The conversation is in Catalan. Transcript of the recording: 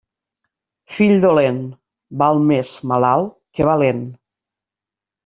Fill dolent, val més malalt que valent.